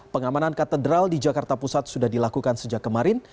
pengamanan katedral di jakarta pusat sudah dilakukan sejak kemarin